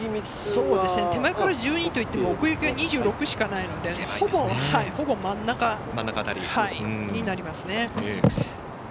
手前から１２といっても、奥行きが２６しかないので、ほぼ真ん中になります。